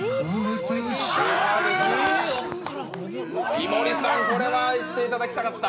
井森さん、これはいっていただきたかった。